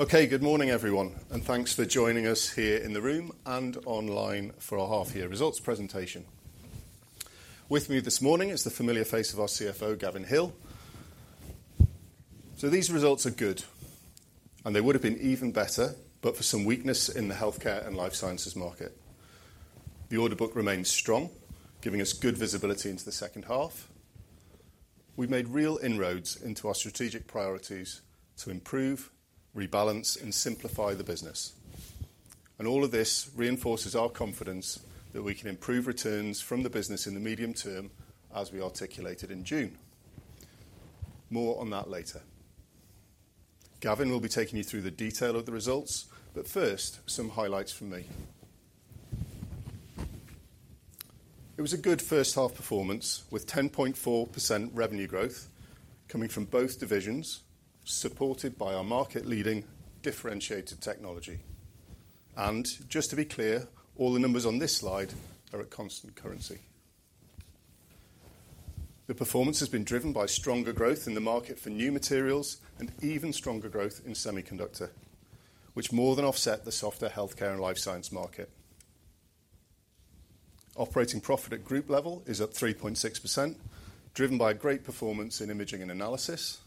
Okay, good morning, everyone, and thanks for joining us here in the room and online for our half-year results presentation. With me this morning is the familiar face of our CFO, Gavin Hill, so these results are good, and they would have been even better, but for some weakness in the healthcare and life sciences market. The order book remains strong, giving us good visibility into the second half. We've made real inroads into our strategic priorities to improve, rebalance, and simplify the business, and all of this reinforces our confidence that we can improve returns from the business in the medium term, as we articulated in June. More on that later. Gavin will be taking you through the detail of the results, but first, some highlights from me. It was a good first-half performance with 10.4% revenue growth coming from both divisions, supported by our market-leading differentiated technology. And just to be clear, all the numbers on this slide are at constant currency. The performance has been driven by stronger growth in the market for new materials and even stronger growth in semiconductor, which more than offset the softer healthcare and life science market. Operating profit at group level is at 3.6%, driven by great performance in Imaging and Analysis.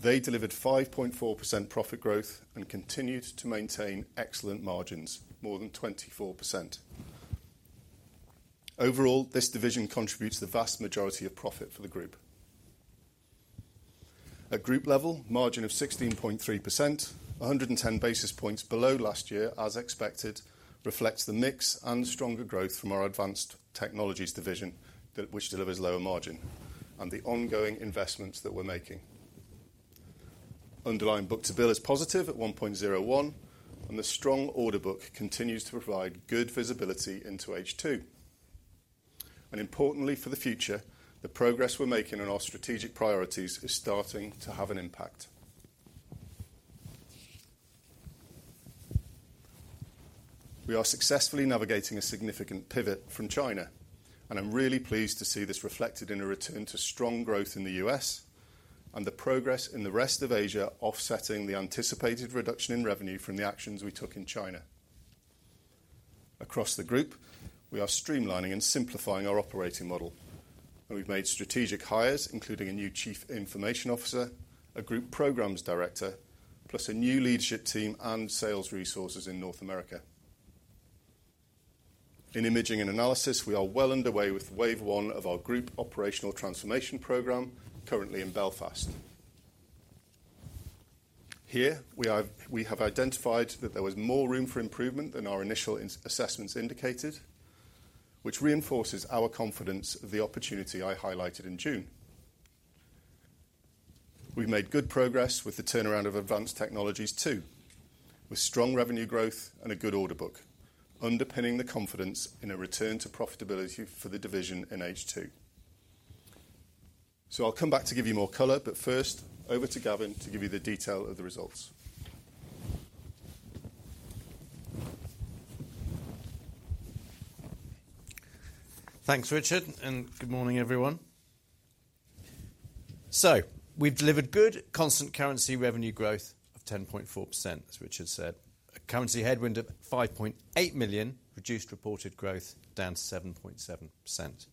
They delivered 5.4% profit growth and continued to maintain excellent margins, more than 24%. Overall, this division contributes the vast majority of profit for the group. At group level, margin of 16.3%, 110 basis points below last year, as expected, reflects the mix and stronger growth from our Advanced Technologies division, which delivers lower margin, and the ongoing investments that we're making. Underlying book to bill is positive at 1.01, and the strong order book continues to provide good visibility into H2. Importantly, for the future, the progress we're making on our strategic priorities is starting to have an impact. We are successfully navigating a significant pivot from China, and I'm really pleased to see this reflected in a return to strong growth in the U.S. and the progress in the rest of Asia, offsetting the anticipated reduction in revenue from the actions we took in China. Across the group, we are streamlining and simplifying our operating model, and we've made strategic hires, including a new Chief Information Officer, a group programs director, plus a new leadership team and sales resources in North America. In Imaging and Analysis, we are well underway with wave one of our group operational transformation program, currently in Belfast. Here, we have identified that there was more room for improvement than our initial assessments indicated, which reinforces our confidence of the opportunity I highlighted in June. We've made good progress with the turnaround of Advanced Technologies too, with strong revenue growth and a good order book, underpinning the confidence in a return to profitability for the division in H2. So I'll come back to give you more color, but first, over to Gavin to give you the detail of the results. Thanks, Richard, and good morning, everyone. So we've delivered good constant currency revenue growth of 10.4%, as Richard said, a currency headwind of 5.8 million, reduced reported growth down to 7.7%.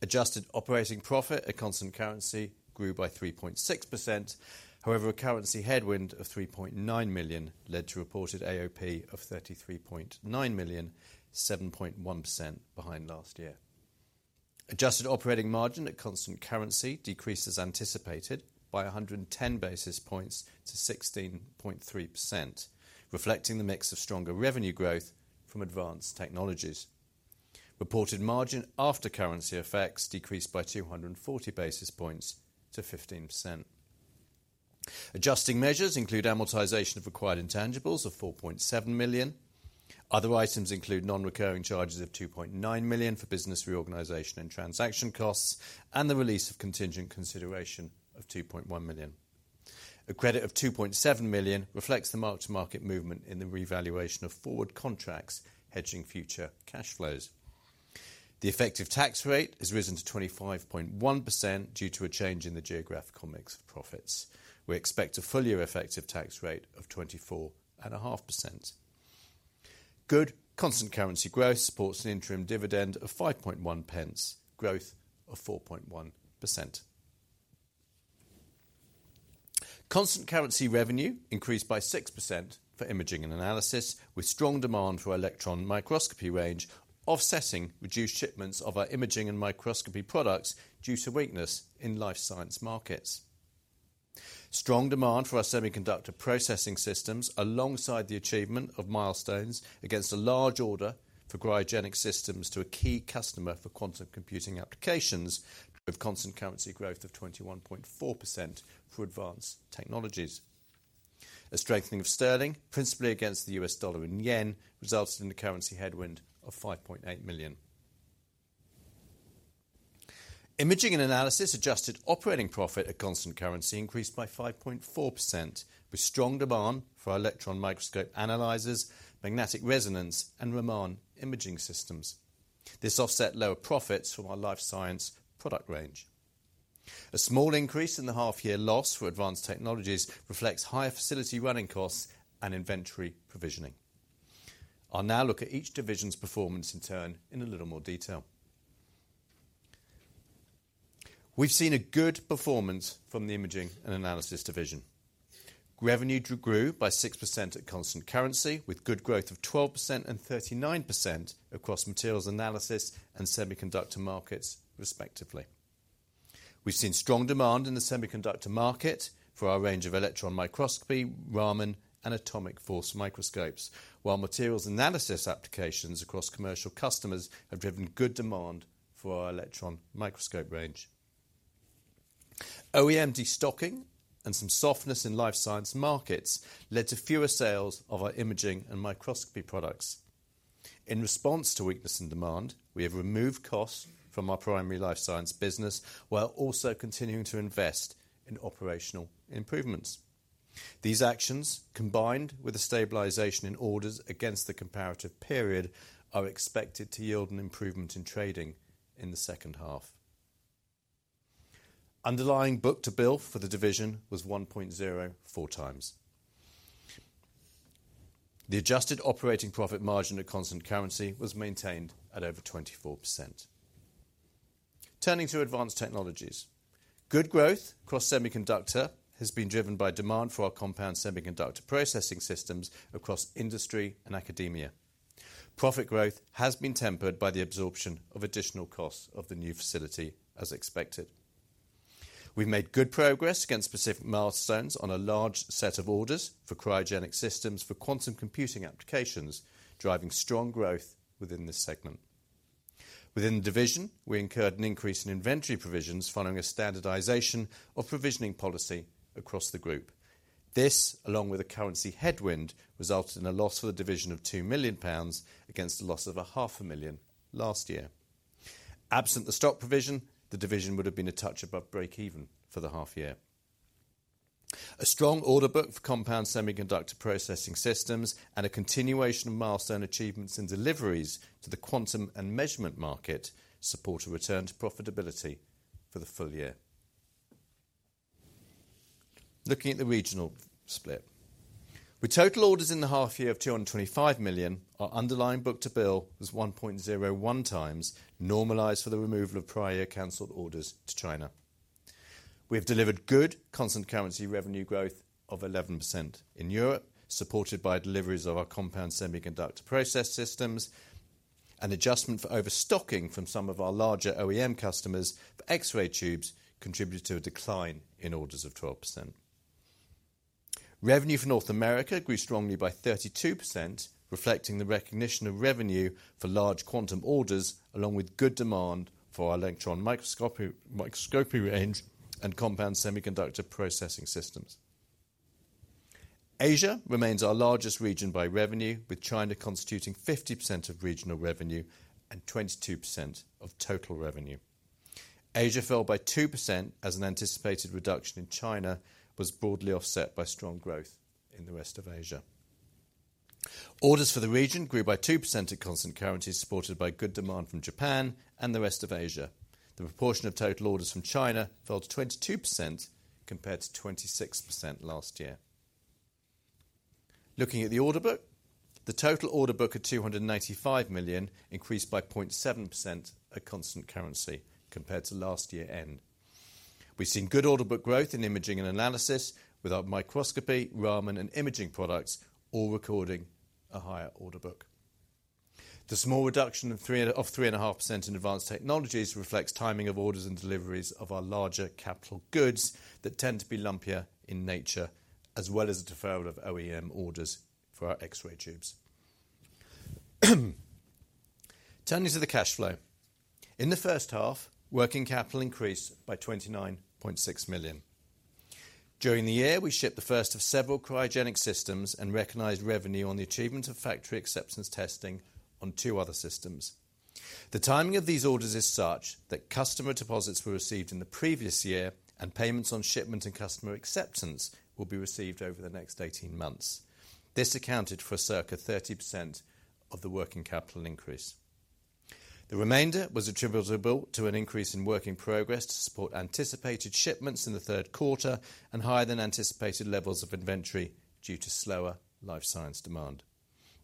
Adjusted Operating Profit at constant currency grew by 3.6%. However, a currency headwind of 3.9 million led to reported AOP of 33.9 million, 7.1% behind last year. Adjusted operating margin at constant currency decreased, as anticipated, by 110 basis points to 16.3%, reflecting the mix of stronger revenue growth from Advanced Technologies. Reported margin after currency effects decreased by 240 basis points to 15%. Adjusting measures include amortization of required intangibles of 4.7 million. Other items include non-recurring charges of 2.9 million for business reorganization and transaction costs, and the release of contingent consideration of 2.1 million. A credit of 2.7 million reflects the mark-to-market movement in the revaluation of forward contracts hedging future cash flows. The effective tax rate has risen to 25.1% due to a change in the geographical mix of profits. We expect a full-year effective tax rate of 24.5%. Good constant currency growth supports an interim dividend of 0.051, growth of 4.1%. Constant currency revenue increased by 6% for Imaging and Analysis, with strong demand for electron microscopy range, offsetting reduced shipments of our imaging and microscopy products due to weakness in life science markets. Strong demand for our semiconductor processing systems, alongside the achievement of milestones against a large order for cryogenic systems to a key customer for quantum computing applications, with constant currency growth of 21.4% for Advanced Technologies. A strengthening of sterling, principally against the U.S. dollar and yen, resulted in the currency headwind of 5.8 million. Imaging and Analysis adjusted operating profit at constant currency increased by 5.4%, with strong demand for our electron microscope analyzers, magnetic resonance, and Raman imaging systems. This offset lower profits from our life science product range. A small increase in the half-year loss for Advanced Technologies reflects higher facility running costs and inventory provisioning. I'll now look at each division's performance in turn in a little more detail. We've seen a good performance from the Imaging and Analysis division. Revenue grew by 6% at constant currency, with good growth of 12% and 39% across materials analysis and semiconductor markets, respectively. We've seen strong demand in the semiconductor market for our range of electron microscopy, Raman, and atomic force microscopes, while materials analysis applications across commercial customers have driven good demand for our electron microscope range. OEM destocking and some softness in life science markets led to fewer sales of our imaging and microscopy products. In response to weakness in demand, we have removed costs from our primary life science business while also continuing to invest in operational improvements. These actions, combined with a stabilization in orders against the comparative period, are expected to yield an improvement in trading in the second half. Underlying Book to Bill for the division was 1.04 times. The Adjusted Operating Profit margin at Constant Currency was maintained at over 24%. Turning to Advanced Technologies, good growth across semiconductor has been driven by demand for our compound semiconductor processing systems across industry and academia. Profit growth has been tempered by the absorption of additional costs of the new facility, as expected. We've made good progress against specific milestones on a large set of orders for cryogenic systems for quantum computing applications, driving strong growth within this segment. Within the division, we incurred an increase in inventory provisions following a standardization of provisioning policy across the group. This, along with a currency headwind, resulted in a loss for the division of 2 million pounds against a loss of 500,000 last year. Absent the stock provision, the division would have been a touch above break-even for the half-year. A strong order book for compound semiconductor processing systems and a continuation of milestone achievements in deliveries to the quantum and measurement market support a return to profitability for the full year. Looking at the regional split, with total orders in the half-year of 225 million, our underlying book-to-bill was 1.01 times normalized for the removal of prior year canceled orders to China. We have delivered good constant-currency revenue growth of 11% in Europe, supported by deliveries of our compound semiconductor process systems, and adjustment for overstocking from some of our larger OEM customers for X-ray tubes contributed to a decline in orders of 12%. Revenue for North America grew strongly by 32%, reflecting the recognition of revenue for large quantum orders, along with good demand for our electron microscopy range and compound semiconductor processing systems. Asia remains our largest region by revenue, with China constituting 50% of regional revenue and 22% of total revenue. Asia fell by 2% as an anticipated reduction in China was broadly offset by strong growth in the rest of Asia. Orders for the region grew by 2% at constant currency, supported by good demand from Japan and the rest of Asia. The proportion of total orders from China fell to 22% compared to 26% last year. Looking at the order book, the total order book of 295 million increased by 0.7% at constant currency compared to last year's end. We've seen good order book growth in Imaging and Analysis with our microscopy, Raman, and imaging products, all recording a higher order book. The small reduction of 3.5% in Advanced Technologies reflects timing of orders and deliveries of our larger capital goods that tend to be lumpier in nature, as well as a deferral of OEM orders for our X-ray tubes. Turning to the cash flow, in the first half, working capital increased by 29.6 million. During the year, we shipped the first of several cryogenic systems and recognized revenue on the achievement of factory acceptance testing on two other systems. The timing of these orders is such that customer deposits were received in the previous year, and payments on shipment and customer acceptance will be received over the next 18 months. This accounted for circa 30% of the working capital increase. The remainder was attributable to an increase in work in progress to support anticipated shipments in the third quarter and higher than anticipated levels of inventory due to slower life science demand.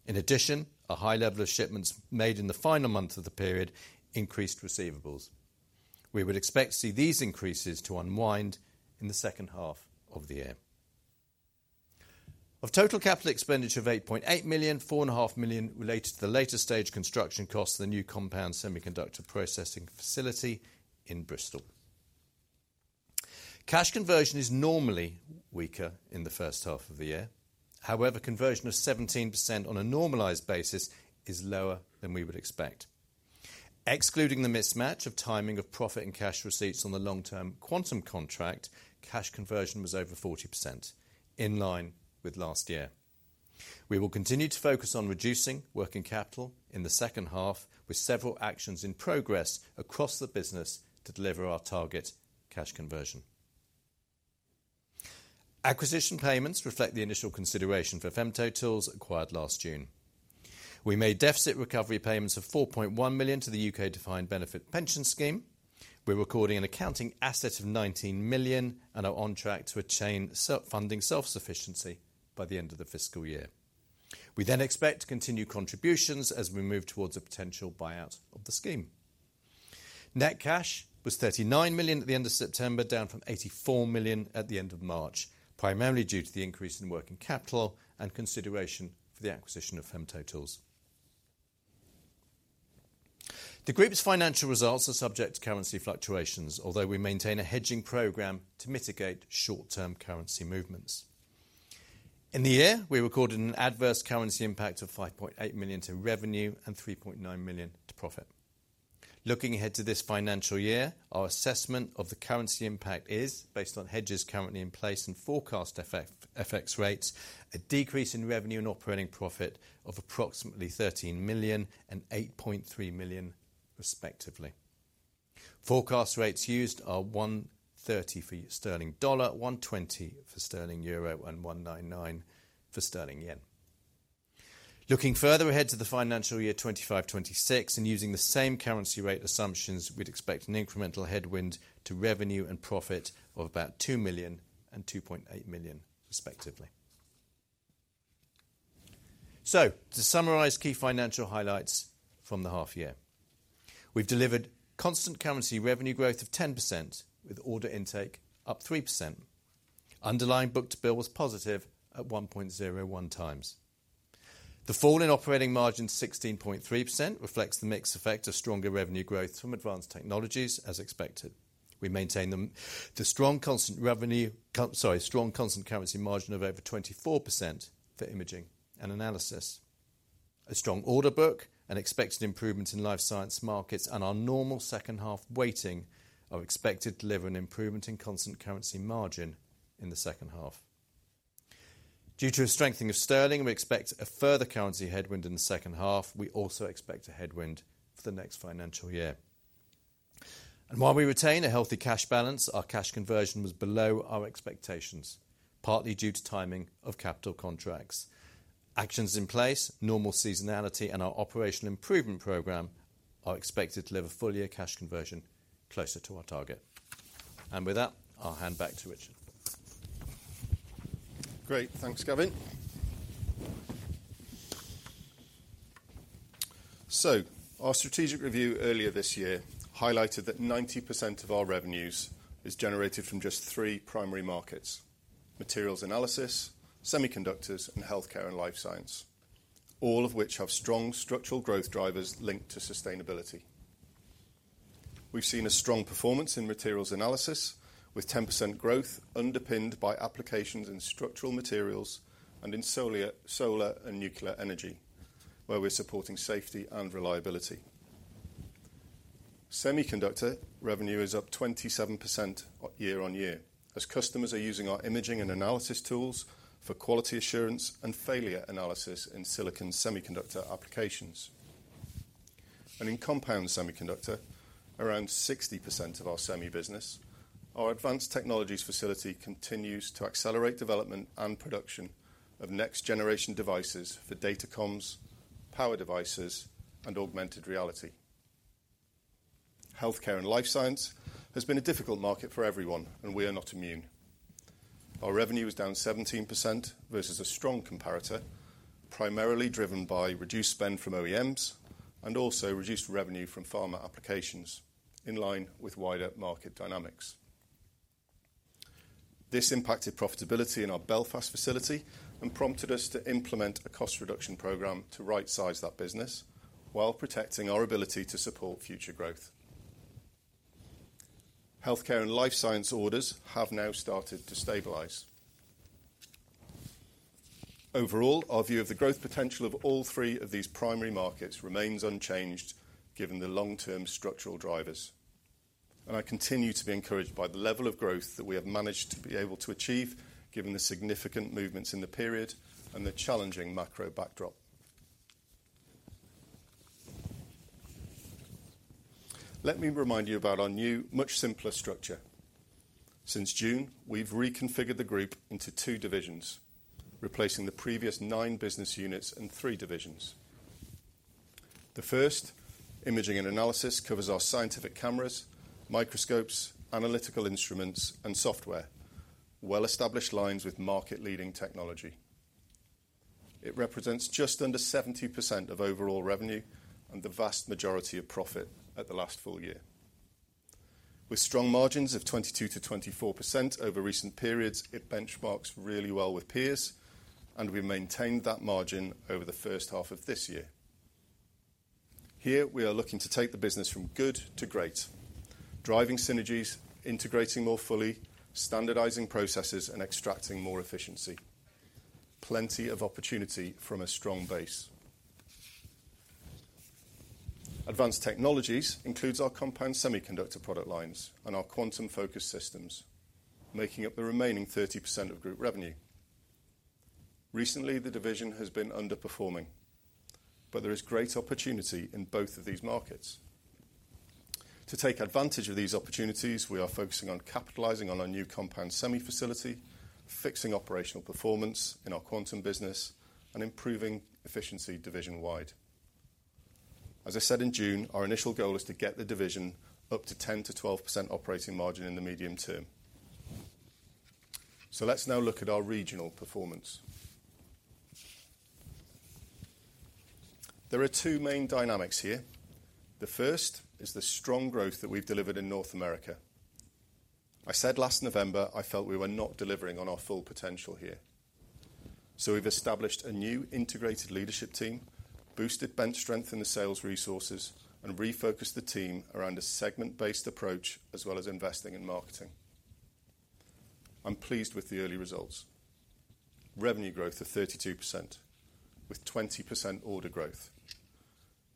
In addition, a high level of shipments made in the final month of the period increased receivables. We would expect to see these increases to unwind in the second half of the year. Of total capital expenditure of 8.8 million, 4.5 million related to the later-stage construction costs of the new compound semiconductor processing facility in Bristol. Cash conversion is normally weaker in the first half of the year. However, conversion of 17% on a normalized basis is lower than we would expect. Excluding the mismatch of timing of profit and cash receipts on the long-term quantum contract, cash conversion was over 40%, in line with last year. We will continue to focus on reducing working capital in the second half, with several actions in progress across the business to deliver our target cash conversion. Acquisition payments reflect the initial consideration for FemtoTools acquired last June. We made deficit recovery payments of 4.1 million to the U.K. Defined Benefit Pension Scheme. We're recording an accounting asset of 19 million and are on track to attain funding self-sufficiency by the end of the fiscal year. We then expect to continue contributions as we move towards a potential buyout of the scheme. Net cash was 39 million at the end of September, down from 84 million at the end of March, primarily due to the increase in working capital and consideration for the acquisition of FemtoTools. The group's financial results are subject to currency fluctuations, although we maintain a hedging program to mitigate short-term currency movements. In the year, we recorded an adverse currency impact of 5.8 million to revenue and 3.9 million to profit. Looking ahead to this financial year, our assessment of the currency impact is based on hedges currently in place and forecast effects rates, a decrease in revenue and operating profit of approximately 13 million and 8.3 million, respectively. Forecast rates used are 1.30 for sterling dollar, 1.20 for sterling euro, and 1.99 for sterling yen. Looking further ahead to the financial year 2025/2026 and using the same currency rate assumptions, we'd expect an incremental headwind to revenue and profit of about 2 million and 2.8 million, respectively. To summarize key financial highlights from the half-year, we've delivered constant currency revenue growth of 10%, with order intake up 3%. Underlying book to bill was positive at 1.01 times. The fall in operating margin to 16.3% reflects the mixed effect of stronger revenue growth from Advanced Technologies, as expected. We maintain the strong constant revenue, sorry, strong constant currency margin of over 24% for Imaging and Analysis. A strong order book, an expected improvement in life science markets, and our normal second half weighting are expected to deliver an improvement in constant currency margin in the second half. Due to a strengthening of sterling, we expect a further currency headwind in the second half. We also expect a headwind for the next financial year. And while we retain a healthy cash balance, our cash conversion was below our expectations, partly due to timing of capital contracts. Actions in place, normal seasonality, and our operational improvement program are expected to deliver fully a cash conversion closer to our target. And with that, I'll hand back to Richard. Great. Thanks, Gavin. Our strategic review earlier this year highlighted that 90% of our revenues is generated from just three primary markets: materials analysis, semiconductors, and healthcare and life science, all of which have strong structural growth drivers linked to sustainability. We've seen a strong performance in materials analysis, with 10% growth underpinned by applications in structural materials and in solar and nuclear energy, where we're supporting safety and reliability. Semiconductor revenue is up 27% year on year, as customers are using our Imaging and Analysis tools for quality assurance and failure analysis in silicon semiconductor applications. In compound semiconductor, around 60% of our semi business, our Advanced Technologies facility continues to accelerate development and production of next-generation devices for datacoms power devices, and augmented reality. Healthcare and life science has been a difficult market for everyone, and we are not immune. Our revenue is down 17% versus a strong comparator, primarily driven by reduced spend from OEMs and also reduced revenue from pharma applications, in line with wider market dynamics. This impacted profitability in our Belfast facility and prompted us to implement a cost reduction program to right-size that business while protecting our ability to support future growth. Healthcare and life science orders have now started to stabilize. Overall, our view of the growth potential of all three of these primary markets remains unchanged, given the long-term structural drivers, and I continue to be encouraged by the level of growth that we have managed to be able to achieve, given the significant movements in the period and the challenging macro backdrop. Let me remind you about our new, much simpler structure. Since June, we've reconfigured the group into two divisions, replacing the previous nine business units and three divisions. The first, Imaging and Analysis, covers our scientific cameras, microscopes, analytical instruments, and software, well-established lines with market-leading technology. It represents just under 70% of overall revenue and the vast majority of profit at the last full year. With strong margins of 22%-24% over recent periods, it benchmarks really well with peers, and we maintained that margin over the first half of this year. Here, we are looking to take the business from good to great, driving synergies, integrating more fully, standardizing processes, and extracting more efficiency. Plenty of opportunity from a strong base. Advanced technologies includes our compound semiconductor product lines and our quantum-focused systems, making up the remaining 30% of group revenue. Recently, the division has been underperforming, but there is great opportunity in both of these markets. To take advantage of these opportunities, we are focusing on capitalizing on our new compound semi facility, fixing operational performance in our quantum business, and improving efficiency division-wide. As I said in June, our initial goal is to get the division up to 10%-12% operating margin in the medium term, so let's now look at our regional performance. There are two main dynamics here. The first is the strong growth that we've delivered in North America. I said last November I felt we were not delivering on our full potential here, so we've established a new integrated leadership team, boosted bench strength in the sales resources, and refocused the team around a segment-based approach as well as investing in marketing. I'm pleased with the early results. Revenue growth of 32%, with 20% order growth.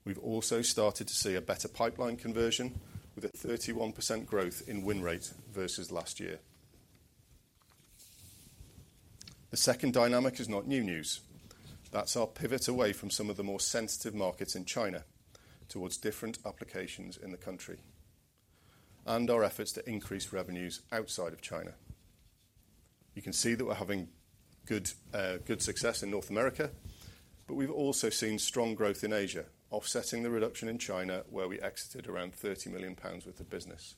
We've also started to see a better pipeline conversion, with a 31% growth in win rate versus last year. The second dynamic is not new news. That's our pivot away from some of the more sensitive markets in China towards different applications in the country and our efforts to increase revenues outside of China. You can see that we're having good success in North America, but we've also seen strong growth in Asia, offsetting the reduction in China, where we exited around 30 million pounds worth of business.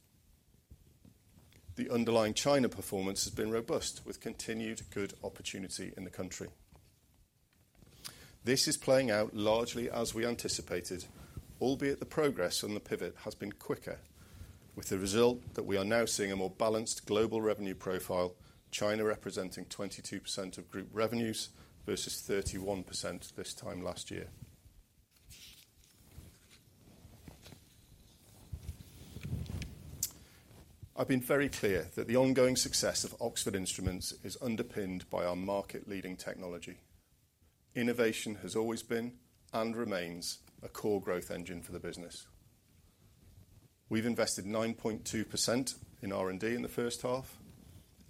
The underlying China performance has been robust, with continued good opportunity in the country. This is playing out largely as we anticipated, albeit the progress on the pivot has been quicker, with the result that we are now seeing a more balanced global revenue profile, China representing 22% of group revenues versus 31% this time last year. I've been very clear that the ongoing success of Oxford Instruments is underpinned by our market-leading technology. Innovation has always been and remains a core growth engine for the business. We've invested 9.2% in R&D in the first half,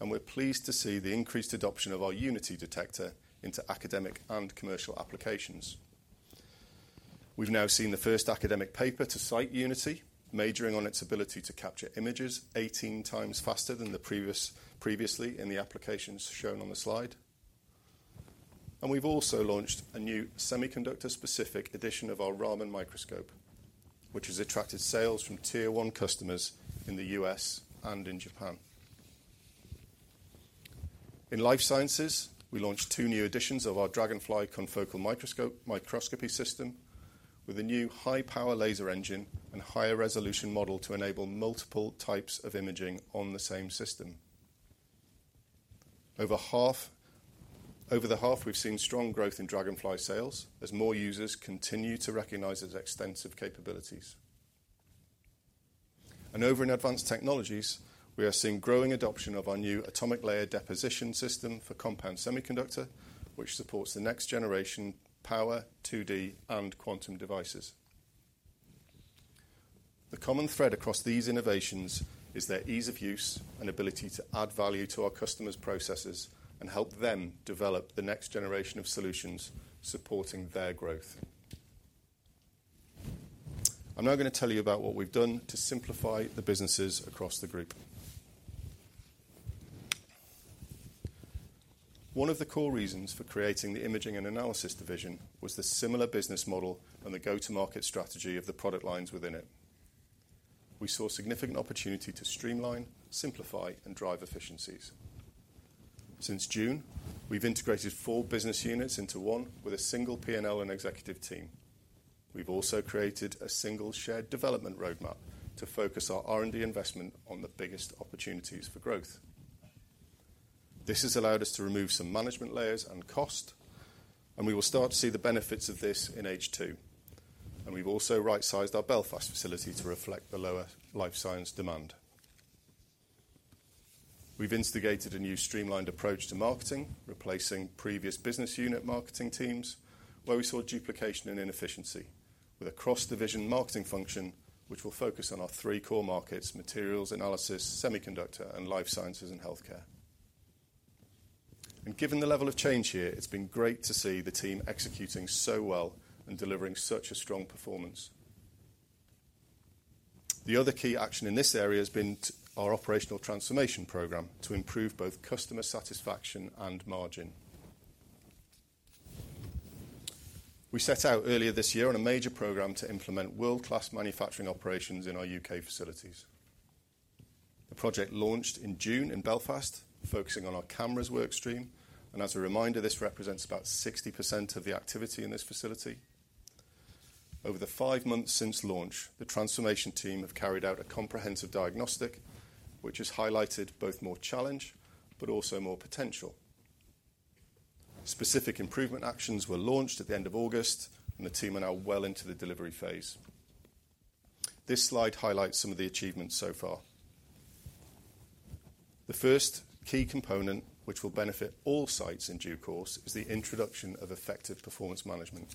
and we're pleased to see the increased adoption of our Unity detector into academic and commercial applications. We've now seen the first academic paper to cite Unity, majoring on its ability to capture images 18 times faster than previously in the applications shown on the slide, and we've also launched a new semiconductor-specific edition of our Raman microscope, which has attracted sales from tier-one customers in the US and in Japan. In life sciences, we launched two new editions of our Dragonfly confocal microscopy system with a new high-power laser engine and higher-resolution model to enable multiple types of imaging on the same system. Over the half, we've seen strong growth in Dragonfly sales as more users continue to recognize its extensive capabilities. And over in Advanced Technologies, we are seeing growing adoption of our new atomic layer deposition system for compound semiconductor, which supports the next-generation power, 2D, and quantum devices. The common thread across these innovations is their ease of use and ability to add value to our customers' processes and help them develop the next generation of solutions supporting their growth. I'm now going to tell you about what we've done to simplify the businesses across the group. One of the core reasons for creating the Imaging and Analysis division was the similar business model and the go-to-market strategy of the product lines within it. We saw significant opportunity to streamline, simplify, and drive efficiencies. Since June, we've integrated four business units into one with a single P&L and executive team. We've also created a single shared development roadmap to focus our R&D investment on the biggest opportunities for growth. This has allowed us to remove some management layers and cost, and we will start to see the benefits of this in H2. And we've also right-sized our Belfast facility to reflect the lower life science demand. We've instigated a new streamlined approach to marketing, replacing previous business unit marketing teams, where we saw duplication and inefficiency, with a cross-division marketing function, which will focus on our three core markets: materials, analysis, semiconductor, and life sciences and healthcare. And given the level of change here, it's been great to see the team executing so well and delivering such a strong performance. The other key action in this area has been our operational transformation program to improve both customer satisfaction and margin. We set out earlier this year on a major program to implement world-class manufacturing operations in our U.K. facilities. The project launched in June in Belfast, focusing on our cameras workstream, and as a reminder, this represents about 60% of the activity in this facility. Over the five months since launch, the transformation team have carried out a comprehensive diagnostic, which has highlighted both more challenge but also more potential. Specific improvement actions were launched at the end of August, and the team are now well into the delivery phase. This slide highlights some of the achievements so far. The first key component, which will benefit all sites in due course, is the introduction of effective performance management,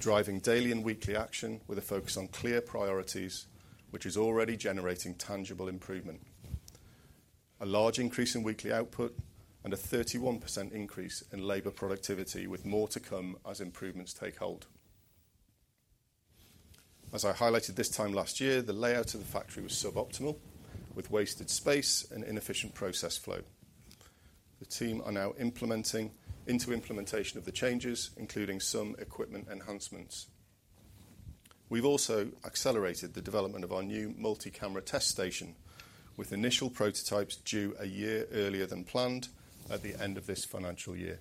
driving daily and weekly action with a focus on clear priorities, which is already generating tangible improvement. A large increase in weekly output and a 31% increase in labor productivity, with more to come as improvements take hold. As I highlighted this time last year, the layout of the factory was suboptimal, with wasted space and inefficient process flow. The team are now implementing the implementation of the changes, including some equipment enhancements. We've also accelerated the development of our new multi-camera test station with initial prototypes due a year earlier than planned at the end of this financial year.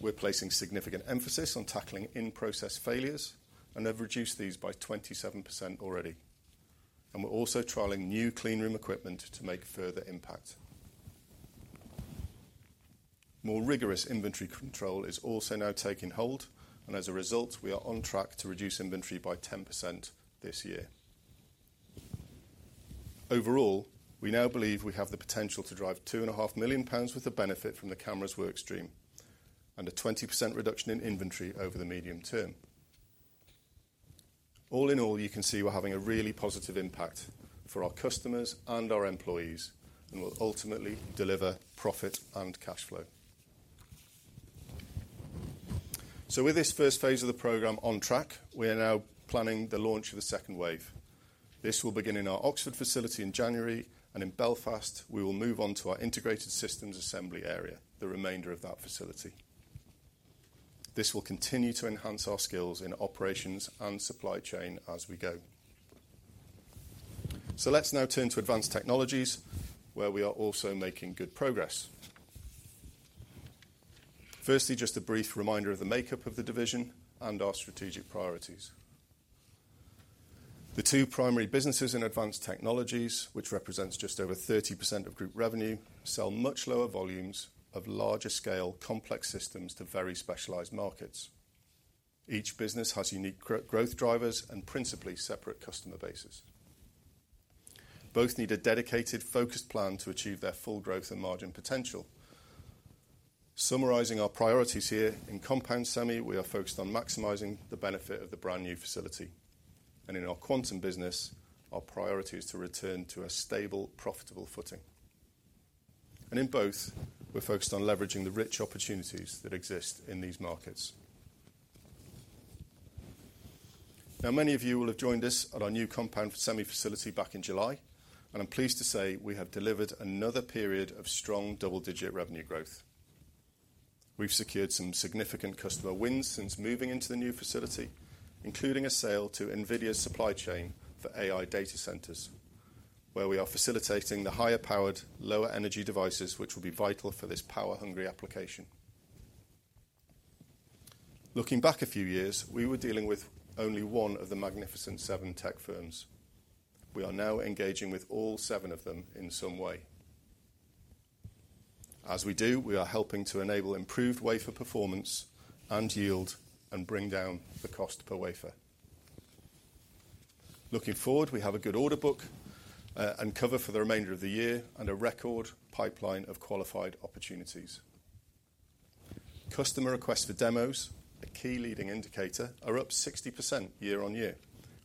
We're placing significant emphasis on tackling in-process failures and have reduced these by 27% already, and we're also trialing new clean room equipment to make further impact. More rigorous inventory control is also now taking hold, and as a result, we are on track to reduce inventory by 10% this year. Overall, we now believe we have the potential to drive 2.5 million pounds worth of benefit from the cameras workstream and a 20% reduction in inventory over the medium term. All in all, you can see we're having a really positive impact for our customers and our employees and will ultimately deliver profit and cash flow. So with this first phase of the program on track, we are now planning the launch of the second wave. This will begin in our Oxford facility in January, and in Belfast, we will move on to our integrated systems assembly area, the remainder of that facility. This will continue to enhance our skills in operations and supply chain as we go. So let's now turn to Advanced Technologies, where we are also making good progress. Firstly, just a brief reminder of the makeup of the division and our strategic priorities. The two primary businesses in Advanced Technologies, which represents just over 30% of group revenue, sell much lower volumes of larger-scale complex systems to very specialized markets. Each business has unique growth drivers and principally separate customer bases. Both need a dedicated focused plan to achieve their full growth and margin potential. Summarizing our priorities here, in compound semi, we are focused on maximizing the benefit of the brand new facility, and in our quantum business, our priority is to return to a stable, profitable footing, and in both, we're focused on leveraging the rich opportunities that exist in these markets. Now, many of you will have joined us at our new compound semi facility back in July, and I'm pleased to say we have delivered another period of strong double-digit revenue growth. We've secured some significant customer wins since moving into the new facility, including a sale to NVIDIA's supply chain for AI data centers, where we are facilitating the higher-powered, lower-energy devices, which will be vital for this power-hungry application. Looking back a few years, we were dealing with only one of the Magnificent Seven tech firms. We are now engaging with all seven of them in some way. As we do, we are helping to enable improved wafer performance and yield and bring down the cost per wafer. Looking forward, we have a good order book and cover for the remainder of the year and a record pipeline of qualified opportunities. Customer requests for demos, a key leading indicator, are up 60% year on year,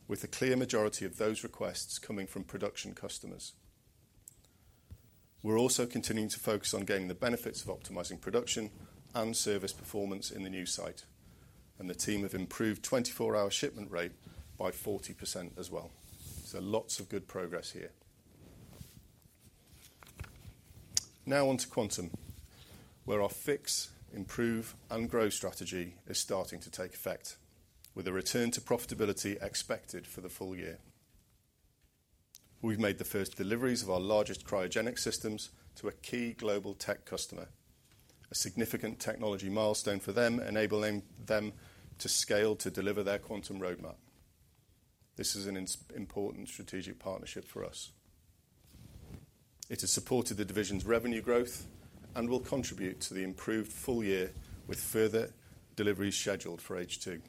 with a clear majority of those requests coming from production customers. We're also continuing to focus on getting the benefits of optimizing production and service performance in the new site, and the team have improved 24-hour shipment rate by 40% as well. So lots of good progress here. Now on to quantum, where our fix, improve, and grow strategy is starting to take effect, with a return to profitability expected for the full year. We've made the first deliveries of our largest cryogenic systems to a key global tech customer, a significant technology milestone for them, enabling them to scale to deliver their quantum roadmap. This is an important strategic partnership for us. It has supported the division's revenue growth and will contribute to the improved full year with further deliveries scheduled for H2.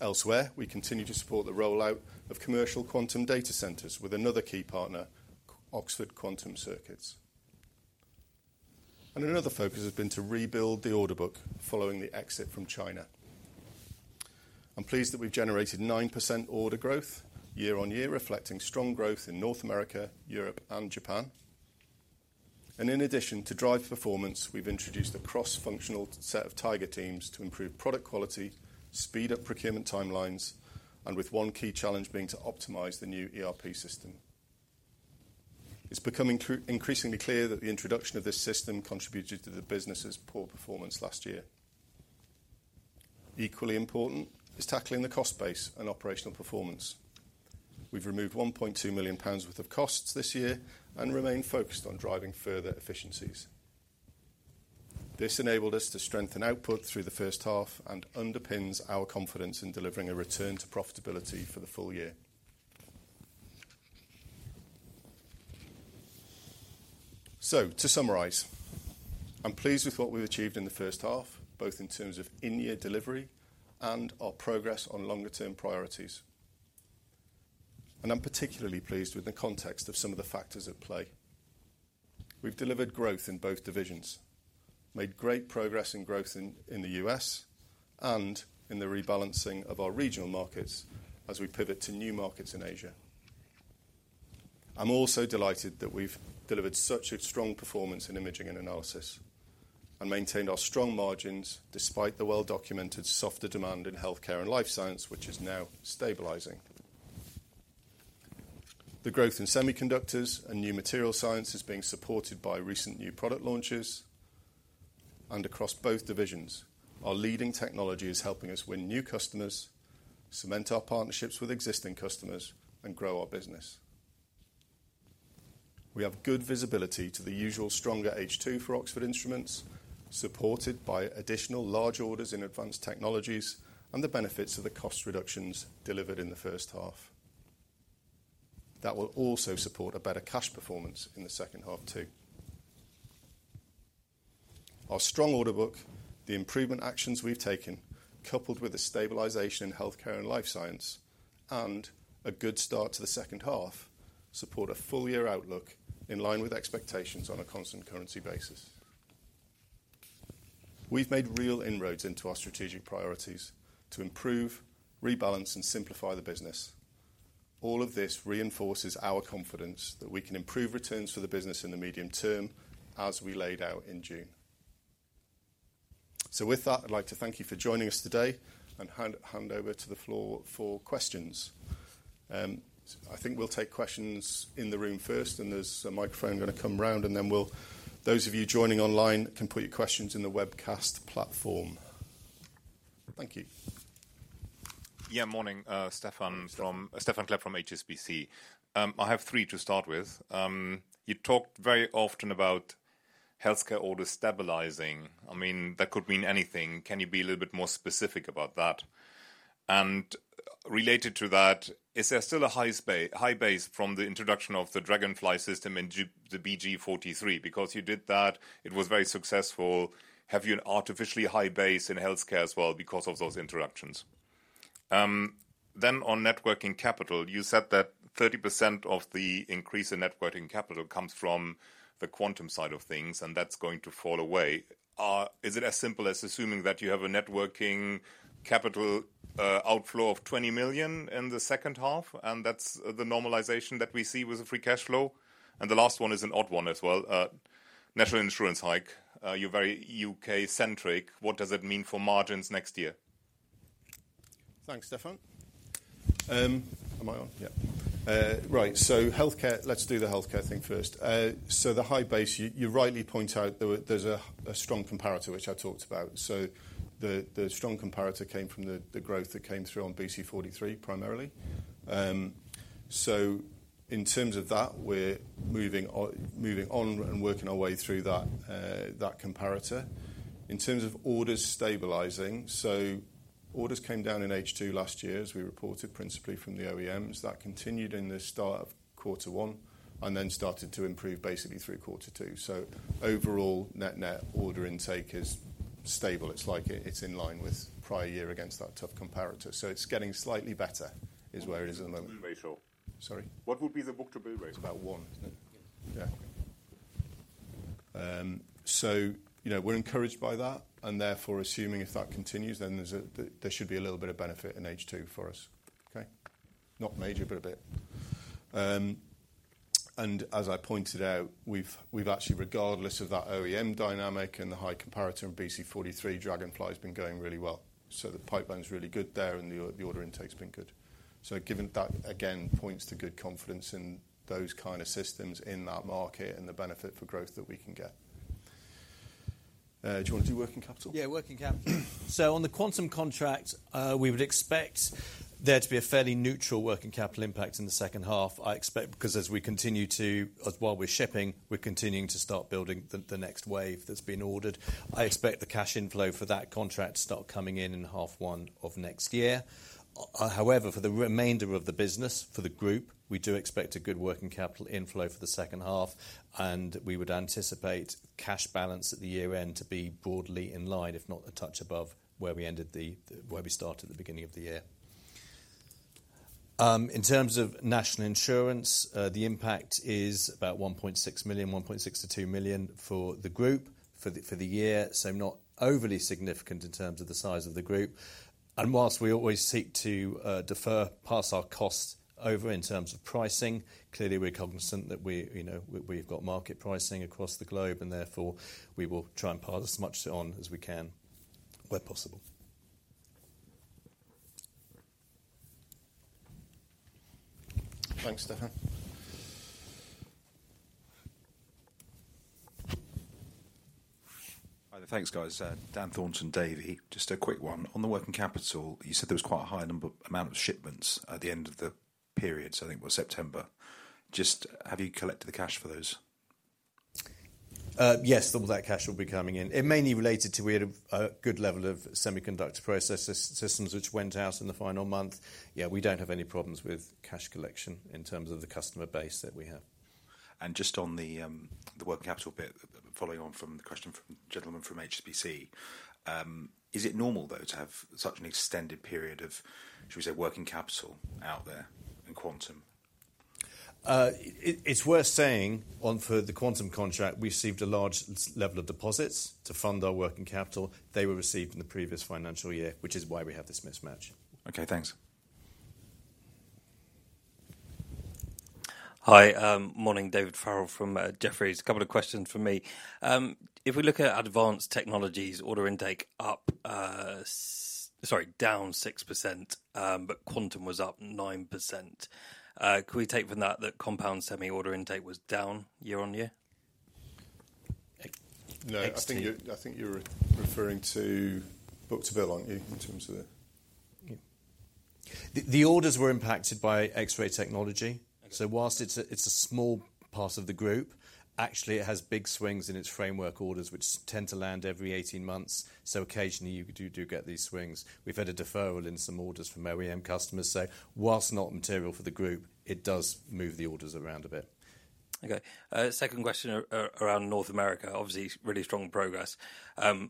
Elsewhere, we continue to support the rollout of commercial quantum data centers with another key partner, Oxford Quantum Circuits. Another focus has been to rebuild the order book following the exit from China. I'm pleased that we've generated 9% order growth year on year, reflecting strong growth in North America, Europe, and Japan. In addition to drive performance, we've introduced a cross-functional set of target teams to improve product quality, speed up procurement timelines, and with one key challenge being to optimize the new ERP system. It's becoming increasingly clear that the introduction of this system contributed to the business's poor performance last year. Equally important is tackling the cost base and operational performance. We've removed 1.2 million pounds worth of costs this year and remain focused on driving further efficiencies. This enabled us to strengthen output through the first half and underpins our confidence in delivering a return to profitability for the full year. To summarize, I'm pleased with what we've achieved in the first half, both in terms of in-year delivery and our progress on longer-term priorities. I'm particularly pleased with the context of some of the factors at play. We've delivered growth in both divisions, made great progress in growth in the U.S. and in the rebalancing of our regional markets as we pivot to new markets in Asia. I'm also delighted that we've delivered such a strong performance in Imaging and Analysis and maintained our strong margins despite the well-documented softer demand in healthcare and life science, which is now stabilizing. The growth in semiconductors and new material science is being supported by recent new product launches. Across both divisions, our leading technology is helping us win new customers, cement our partnerships with existing customers, and grow our business. We have good visibility to the usual stronger H2 for Oxford Instruments, supported by additional large orders in Advanced Technologies and the benefits of the cost reductions delivered in the first half. That will also support a better cash performance in the second half too. Our strong order book, the improvement actions we've taken, coupled with the stabilization in healthcare and life science, and a good start to the second half support a full-year outlook in line with expectations on a constant currency basis. We've made real inroads into our strategic priorities to improve, rebalance, and simplify the business. All of this reinforces our confidence that we can improve returns for the business in the medium term, as we laid out in June. So with that, I'd like to thank you for joining us today and hand over to the floor for questions. I think we'll take questions in the room first, and there's a microphone going to come around, and then those of you joining online can put your questions in the webcast platform. Thank you. Yeah, morning, Stephan Klepp from HSBC. I have three to start with. You talked very often about healthcare orders stabilizing. I mean, that could mean anything. Can you be a little bit more specific about that? And related to that, is there still a high base from the introduction of the Dragonfly system in the BC43? Because you did that, it was very successful. Have you an artificially high base in healthcare as well because of those interactions? Then on working capital, you said that 30% of the increase in working capital comes from the quantum side of things, and that's going to fall away. Is it as simple as assuming that you have a working capital outflow of 20 million in the second half? And that's the normalization that we see with the free cash flow. And the last one is an odd one as well. National insurance hike, you're very UK-centric. What does it mean for margins next year? Thanks, Stephan. Am I on? Yeah. Right. So let's do the healthcare thing first. So the high base, you rightly point out there's a strong comparator, which I talked about. So the strong comparator came from the growth that came through on BC43 primarily. So in terms of that, we're moving on and working our way through that comparator. In terms of orders stabilizing, so orders came down in H2 last year, as we reported, principally from the OEMs. That continued in the start of quarter one and then started to improve basically through quarter two. So overall net net order intake is stable. It's like it's in line with prior year against that tough comparator. So it's getting slightly better is where it is at the moment. Book-to-bill ratio. Sorry? What would be the book-to-bill ratio? It's about one, isn't it? Yeah. So we're encouraged by that, and therefore assuming if that continues, then there should be a little bit of benefit in H2 for us. Okay? Not major, but a bit, and as I pointed out, we've actually, regardless of that OEM dynamic and the high comparator and BC43, Dragonfly has been going really well. So the pipeline is really good there, and the order intake has been good. So, given that, again, points to good confidence in those kind of systems in that market and the benefit for growth that we can get. Do you want to do working capital? Yeah, working capital. So, on the quantum contract, we would expect there to be a fairly neutral working capital impact in the second half, I expect, because as we continue to, while we're shipping, we're continuing to start building the next wave that's been ordered. I expect the cash inflow for that contract to start coming in in half one of next year. However, for the remainder of the business, for the group, we do expect a good working capital inflow for the second half, and we would anticipate cash balance at the year end to be broadly in line, if not a touch above, where we started at the beginning of the year. In terms of national insurance, the impact is about 1.6 million, 1.6-2 million for the group for the year, so not overly significant in terms of the size of the group. Whilst we always seek to defer past our costs over in terms of pricing, clearly we're cognizant that we've got market pricing across the globe, and therefore we will try and pass as much on as we can where possible. Thanks, Stephan. Thanks, guys. Dan Thornton, Davy. Just a quick one. On the working capital, you said there was quite a high amount of shipments at the end of the period, so I think it was September. Just have you collected the cash for those? Yes, that cash will be coming in. It mainly related to we had a good level of semiconductor processor systems which went out in the final month. Yeah, we don't have any problems with cash collection in terms of the customer base that we have. Just on the working capital bit, following on from the question from the gentleman from HSBC, is it normal, though, to have such an extended period of, shall we say, working capital out there in quantum? It's worth saying on the quantum contract, we received a large level of deposits to fund our working capital. They were received in the previous financial year, which is why we have this mismatch. Okay, thanks. Hi, morning, David Farrell from Jefferies. A couple of questions for me. If we look at Advanced Technologies, order intake up, sorry, down 6%, but quantum was up 9%. Could we take from that that compound semi order intake was down year on year? No, I think you're referring to Book to Bill, aren't you, in terms of the? The orders were impacted by X-ray technology. So whilst it's a small part of the group, actually it has big swings in its framework orders, which tend to land every 18 months. So occasionally you do get these swings. We've had a deferral in some orders from OEM customers. So whilst not material for the group, it does move the orders around a bit. Okay. Second question around North America. Obviously, really strong progress. We've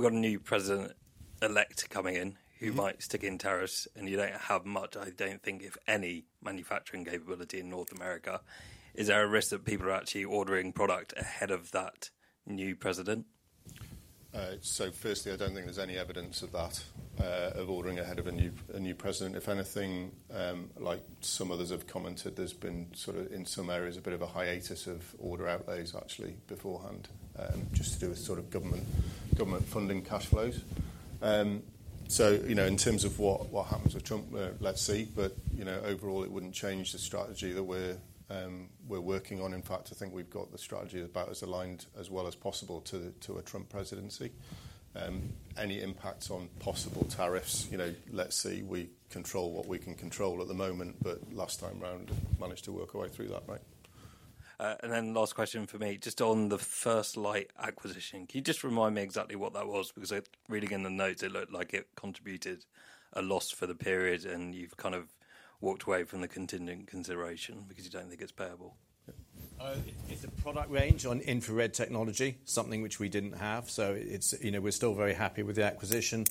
got a new president-elect coming in who might stick in tariffs, and you don't have much, I don't think, if any, manufacturing capability in North America. Is there a risk that people are actually ordering product ahead of that new president? So firstly, I don't think there's any evidence of that, of ordering ahead of a new president. If anything, like some others have commented, there's been sort of in some areas a bit of a hiatus of order outlays, actually, beforehand, just to do with sort of government funding cash flows. So in terms of what happens with Trump, let's see. But overall, it wouldn't change the strategy that we're working on. In fact, I think we've got the strategy about as aligned as well as possible to a Trump presidency. Any impacts on possible tariffs, let's see. We control what we can control at the moment, but last time around, managed to work our way through that, right? And then last question for me, just on the First Light acquisition. Can you just remind me exactly what that was? Because reading in the notes, it looked like it contributed a loss for the period, and you've kind of walked away from the contingent consideration because you don't think it's payable. It's a product range on infrared technology, something which we didn't have. So we're still very happy with the acquisition.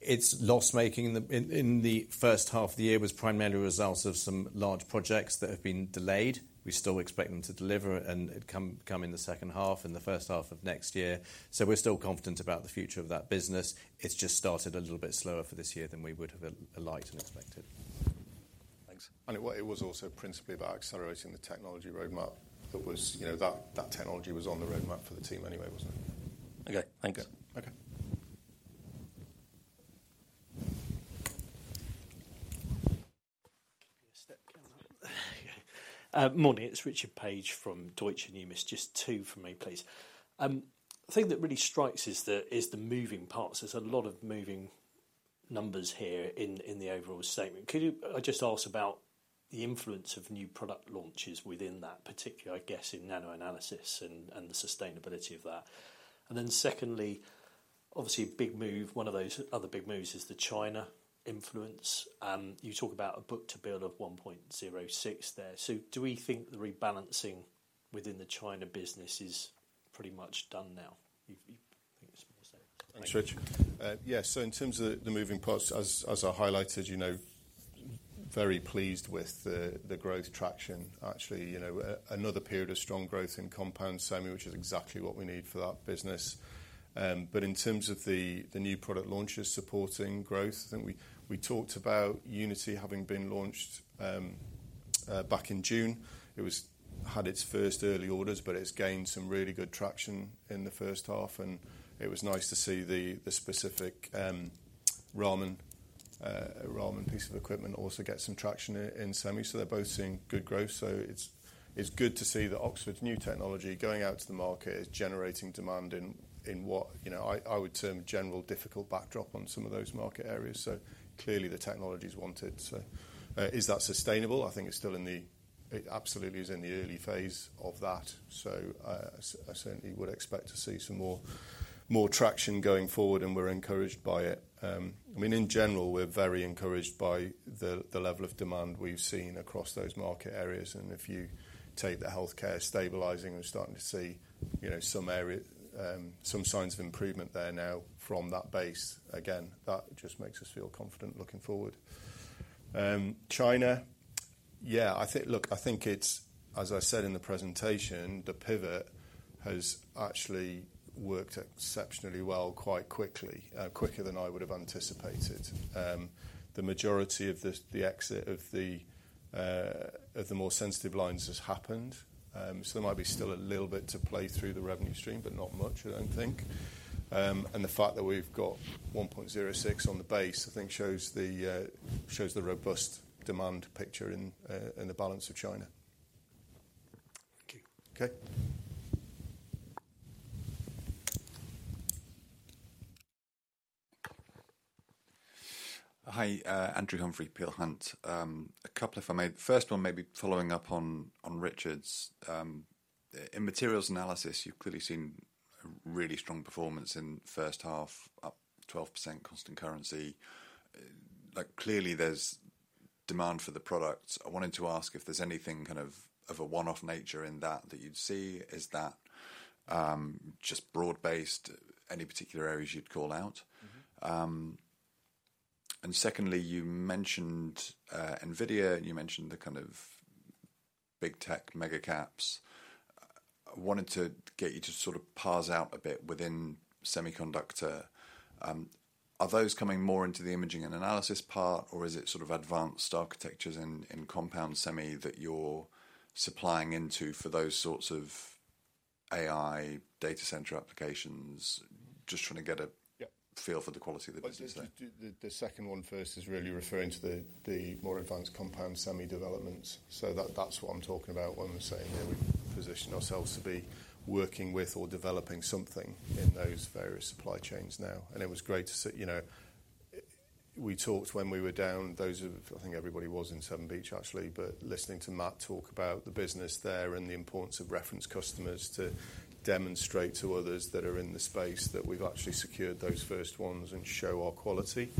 Its loss-making in the first half of the year was primarily a result of some large projects that have been delayed. We still expect them to deliver and come in the second half and the first half of next year. So we're still confident about the future of that business. It's just started a little bit slower for this year than we would have liked and expected. Thanks. And it was also principally about accelerating the technology roadmap that technology was on the roadmap for the team anyway, wasn't it? Okay, thanks. Okay. Morning, it's Richard Page from Deutsche Numis. Just two for me, please. The thing that really strikes is the moving parts. There's a lot of moving numbers here in the overall statement. Could I just ask about the influence of new product launches within that, particularly, I guess, in Nano analysis and the sustainability of that? And then secondly, obviously, a big move, one of those other big moves is the China influence. You talk about a book to bill of 1.06 there. So do we think the rebalancing within the China business is pretty much done now? You think it's more stable? Thanks, Richard. Yeah, so in terms of the moving parts, as I highlighted, very pleased with the growth traction, actually. Another period of strong growth in compound semi, which is exactly what we need for that business. But in terms of the new product launches supporting growth, I think we talked about Unity having been launched back in June. It had its first early orders, but it's gained some really good traction in the first half. And it was nice to see the specific Raman piece of equipment also get some traction in semi. So they're both seeing good growth. So it's good to see that Oxford's new technology going out to the market is generating demand in what I would term general difficult backdrop on some of those market areas. So clearly, the technology is wanted. So is that sustainable? I think it's still absolutely in the early phase of that. So I certainly would expect to see some more traction going forward, and we're encouraged by it. I mean, in general, we're very encouraged by the level of demand we've seen across those market areas. And if you take the healthcare stabilizing and starting to see some signs of improvement there now from that base, again, that just makes us feel confident looking forward. China, yeah, I think, look, I think it's, as I said in the presentation, the pivot has actually worked exceptionally well quite quickly, quicker than I would have anticipated. The majority of the exit of the more sensitive lines has happened. So there might be still a little bit to play through the revenue stream, but not much, I don't think. And the fact that we've got 1.06 on the base, I think, shows the robust demand picture in the balance of China. Thank you. Okay. Hi, Andrew Humphrey, Peel Hunt, a couple of my first one, maybe following up on Richard's. In materials analysis, you've clearly seen a really strong performance in first half, up 12% constant currency. Clearly, there's demand for the products. I wanted to ask if there's anything kind of a one-off nature in that you'd see. Is that just broad-based, any particular areas you'd call out? And secondly, you mentioned NVIDIA, and you mentioned the kind of big tech, mega caps. I wanted to get you to sort of parse out a bit within semiconductor. Are those coming more into the Imaging and Analysis part, or is it sort of advanced architectures in compound semi that you're supplying into for those sorts of AI data center applications? Just trying to get a feel for the quality of the business there. The second one first is really referring to the more advanced compound semi developments. So that's what I'm talking about when we're saying that we position ourselves to be working with or developing something in those various supply chains now. And it was great to see we talked when we were down. I think everybody was in Severn Beach, actually, but listening to Matt talk about the business there and the importance of reference customers to demonstrate to others that are in the space that we've actually secured those first ones and show our quality.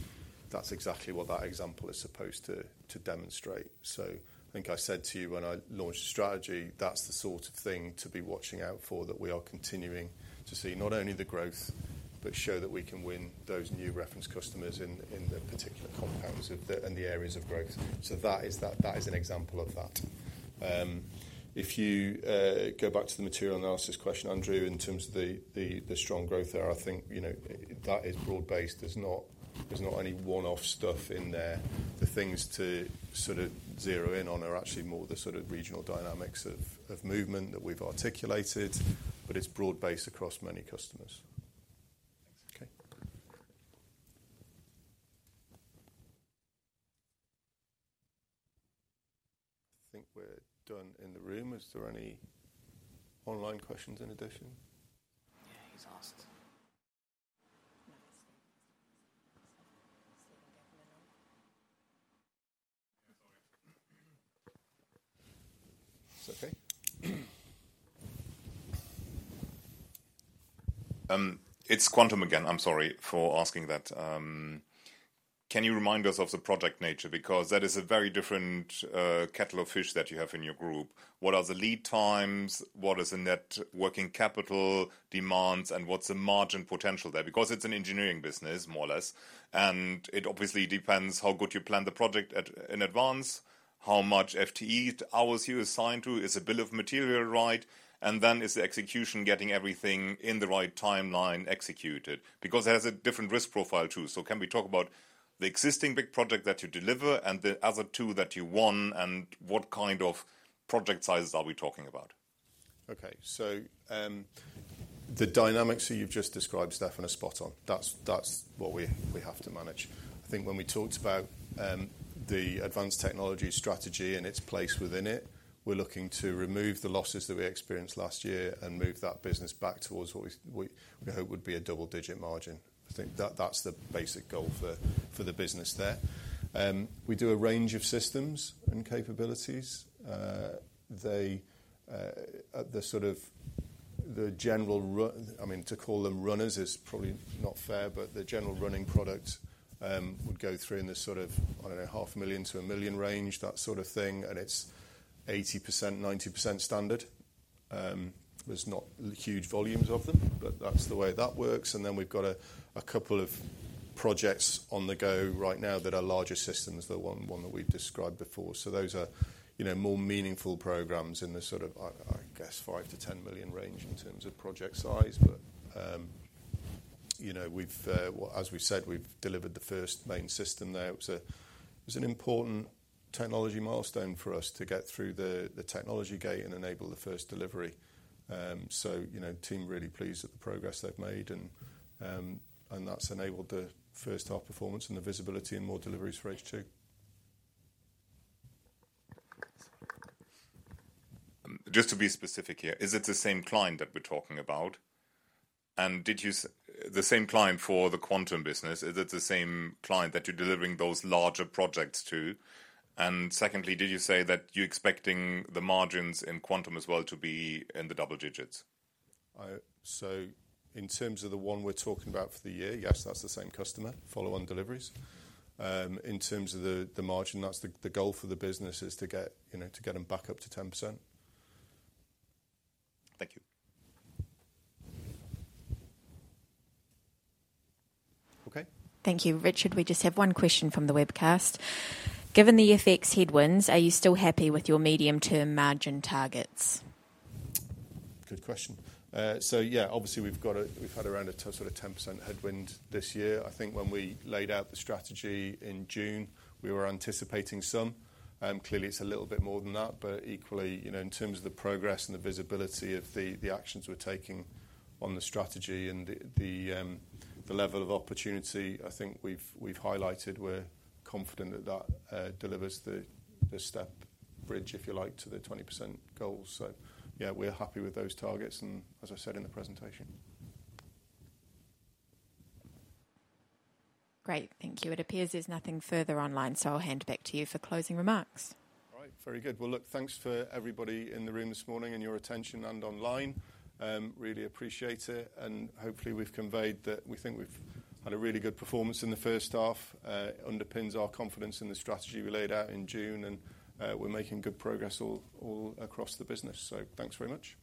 That's exactly what that example is supposed to demonstrate. So I think I said to you when I launched the strategy, that's the sort of thing to be watching out for that we are continuing to see not only the growth, but show that we can win those new reference customers in the particular compounds and the areas of growth. So that is an example of that. If you go back to the material analysis question, Andrew, in terms of the strong growth there, I think that is broad-based. There's not any one-off stuff in there. The things to sort of zero in on are actually more the sort of regional dynamics of movement that we've articulated, but it's broad-based across many customers. Okay. I think we're done in the room. Is there any online questions in addition? Yeah, he's asked. It's okay. It's quantum again. I'm sorry for asking that. Can you remind us of the project nature? Because that is a very different kettle of fish that you have in your group. What are the lead times? What is the net working capital demands? And what's the margin potential there? Because it's an engineering business, more or less. It obviously depends how good you plan the project in advance, how much FTE hours you assign to, is a bill of material right, and then is the execution getting everything in the right timeline executed? Because it has a different risk profile too. Can we talk about the existing big project that you deliver and the other two that you won, and what kind of project sizes are we talking about? Okay, the dynamics that you've just described, Stephan. And spot on, that's what we have to manage. I think when we talked about the advanced technology strategy and its place within it, we're looking to remove the losses that we experienced last year and move that business back towards what we hope would be a double-digit margin. I think that's the basic goal for the business there. We do a range of systems and capabilities. The sort of general, I mean, to call them runners is probably not fair, but the general running product would go through in the sort of, I don't know, 500,000-GPT 1 million range, that sort of thing. And it's 80%-90% standard. There's not huge volumes of them, but that's the way that works. And then we've got a couple of projects on the go right now that are larger systems than one that we've described before. So those are more meaningful programs in the sort of, I guess, five to 10 million range in terms of project size. But as we said, we've delivered the first main system there. It was an important technology milestone for us to get through the technology gate and enable the first delivery. So team really pleased with the progress they've made. And that's enabled the first-half performance and the visibility and more deliveries for H2. Just to be specific here, is it the same client that we're talking about? And the same client for the quantum business, is it the same client that you're delivering those larger projects to? And secondly, did you say that you're expecting the margins in quantum as well to be in the double digits? So in terms of the one we're talking about for the year, yes, that's the same customer, follow-on deliveries. In terms of the margin, that's the goal for the business is to get them back up to 10%. Thank you. Okay. Thank you. Richard, we just have one question from the webcast. Given the FX headwinds, are you still happy with your medium-term margin targets? Good question. So yeah, obviously, we've had around a sort of 10% headwind this year. I think when we laid out the strategy in June, we were anticipating some. Clearly, it's a little bit more than that, but equally, in terms of the progress and the visibility of the actions we're taking on the strategy and the level of opportunity, I think we've highlighted we're confident that that delivers the step bridge, if you like, to the 20% goal. So yeah, we're happy with those targets, and as I said in the presentation. Great. Thank you. It appears there's nothing further online, so I'll hand back to you for closing remarks. All right. Very good. Well, look, thanks for everybody in the room this morning and your attention and online. Really appreciate it, and hopefully, we've conveyed that we think we've had a really good performance in the first half. It underpins our confidence in the strategy we laid out in June, and we're making good progress all across the business. So thanks very much.